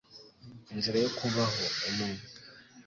Inzira yo kubaho, umunwa.